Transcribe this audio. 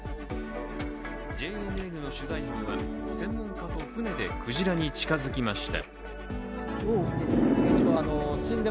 ＪＮＮの取材班は、専門家と船でクジラに近づきました。